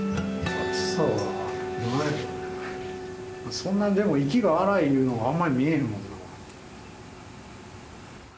そんなでも息が荒いいうのはあんまり見えへんもんな。